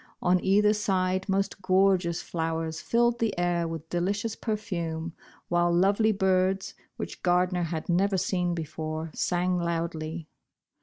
On either side most gorgeous flowers filled the air with delicious perfume, while lovely birds, which Gardner had never seen before, sang loudly.